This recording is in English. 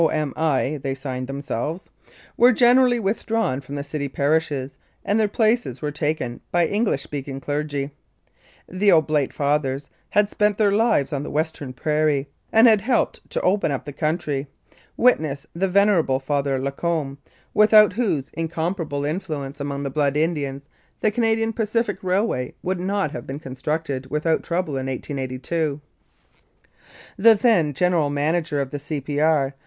M.I." they signed themselves) were generally withdrawn from the city parishes and their places were taken by English speaking clergy. The Oblate Fathers had spent their lives on the Western prairie, and had helped to open up the country, witness the Venerable Father Lacombe, without whose incomparable influence 124 1906 14. Calgary among the Blood Indians the Canadian Pacific Railway would not have been constructed without trouble in 1882. The then General Manager of the C.P.R.